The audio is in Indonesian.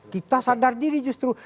kita sadar diri justru